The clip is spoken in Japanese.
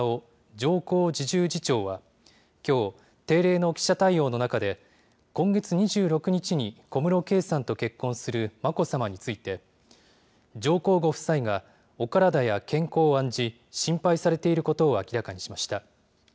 上皇侍従次長はきょう、定例の記者対応の中で、今月２６日に小室圭さんと結婚する眞子さまについて、上皇ご夫妻がお体や健康を案じ、心配されていることを明らかにしました。